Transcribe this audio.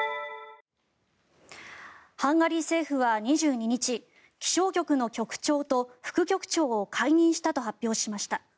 ハンガリー政府は２２日気象局の局長と副局長を解任したと発表しました。